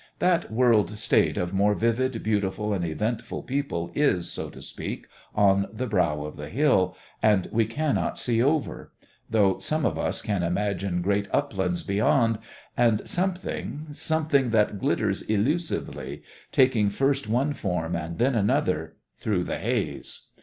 That world state of more vivid, beautiful, and eventful people is, so to speak, on the brow of the hill, and we cannot see over, though some of us can imagine great uplands beyond and something, something that glitters elusively, taking first one form and then another, through the haze.